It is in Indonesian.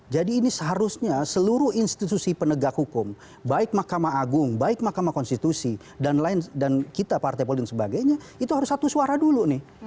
jadi ini seharusnya seluruh institusi penegak hukum baik makamah agung baik makamah konstitusi dan kita partai politik dan sebagainya itu harus satu suara dulu nih